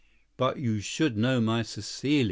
But you should know my Cécile!"